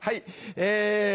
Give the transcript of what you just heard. え